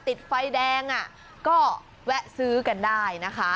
ติดไฟแดงก็แวะซื้อกันได้นะคะ